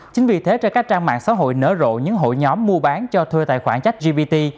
chính vì thế cho các trang mạng xã hội nở rộ những hội nhóm mua bán cho thuê tài khoản chat gbt